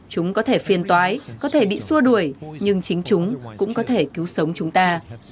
chúng có thể phiên tói có thể bị xua đuổi nhưng chính chúng cũng có thể cứu sống chúng ta